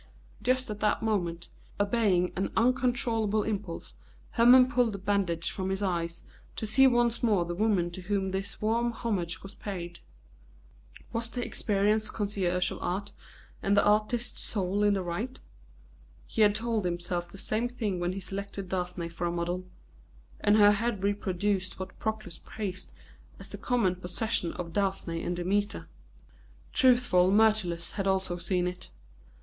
Just at that moment, obeying an uncontrollable impulse, Hermon pulled the bandage from his eyes to see once more the woman to whom this warm homage was paid. Was the experienced connoisseur of art and the artist soul in the right? He had told himself the same thing when he selected Daphne for a model, and her head reproduced what Proclus praised as the common possession of Daphne and Demeter. Truthful Myrtilus had also seen it.